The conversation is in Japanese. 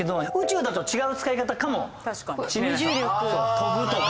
飛ぶとか。